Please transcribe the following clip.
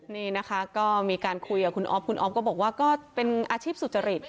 นี่นะคะก็มีการคุยกับคุณอ๊อฟคุณอ๊อฟก็บอกว่าก็เป็นอาชีพสุจริต